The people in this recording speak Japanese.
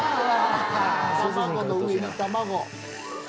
卵の上に卵。